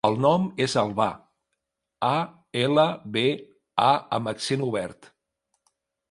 El nom és Albà: a, ela, be, a amb accent obert.